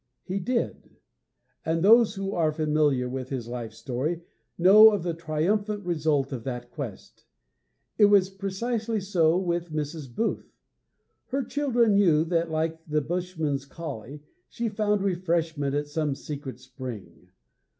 He did; and those who are familiar with his life story know of the triumphant result of that quest. It was precisely so with Mrs. Booth. Her children knew that, like the bushman's collie, she found refreshment at some secret spring.